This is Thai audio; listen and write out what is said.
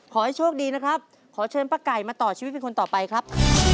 ขอให้โชคดีนะครับขอเชิญป้าไก่มาต่อชีวิตเป็นคนต่อไปครับ